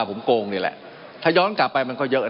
มันมีมาต่อเนื่องมีเหตุการณ์ที่ไม่เคยเกิดขึ้น